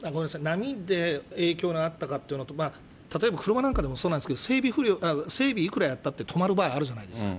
波で影響のあったかというのと、例えば車なんかでもそうなんですけど、整備いくらやったって止まる場合あるじゃないですか。